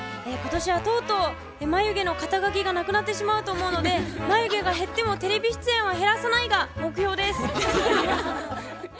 今年はとうとう眉毛の肩書がなくなってしまうと思うので眉毛が減ってもテレビ出演は減らさないが目標です。